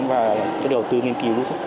và đầu tư nghiên cứu